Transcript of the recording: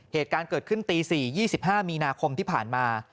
เหตุการณ์เกิดขึ้นตี๔๒๕มีนาคมที่ผ่านมา